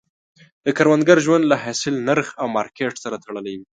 د کروندګر ژوند له حاصل، نرخ او مارکیټ سره تړلی وي.